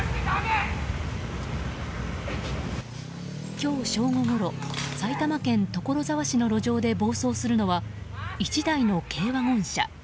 今日正午ごろ、埼玉県所沢市の路上で暴走するのは１台の軽ワゴン車。